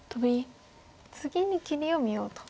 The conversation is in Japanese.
次に切りを見ようと。